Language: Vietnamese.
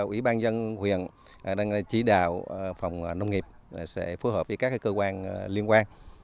ủy ban dân huyện đang chỉ đạo phòng nông nghiệp sẽ phối hợp với các cơ quan liên quan